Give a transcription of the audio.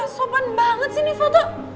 sopan banget sih ini foto